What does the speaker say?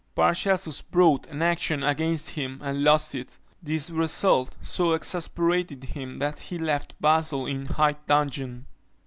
Paracelsus brought an action against him, and lost it. This result so exasperated him, that he left Basle in high dudgeon.